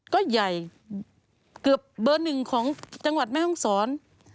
ก็ใหญ่เกือบเบอร์หนึ่งของจังหวัดแม่ห้องศร